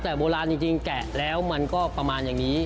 แต่โบราณจริงแกะแล้วมันก็ประมาณอย่างนี้